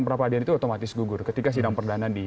peradilan itu otomatis gugur ketika sidang perdana di